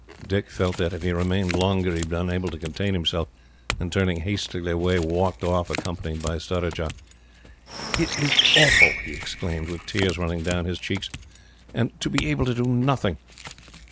Dick felt that, if he remained longer, he would be unable to contain himself; and turning hastily away, walked off, accompanied by Surajah. "It is awful!" he exclaimed, with tears running down his cheeks; "and to be able to do nothing!